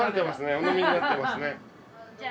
お飲みになってますね。